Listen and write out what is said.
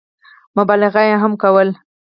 مبالغه هم کوله.